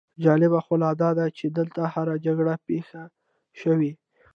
جالبه خو لا داده چې دلته هره جګړه پېښه شوې.